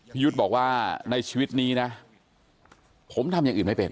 ยุทธ์บอกว่าในชีวิตนี้นะผมทำอย่างอื่นไม่เป็น